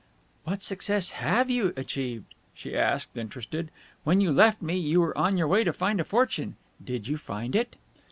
"What success have you achieved?" she asked, interested. "When you left me, you were on your way to find a fortune. Did you find it?"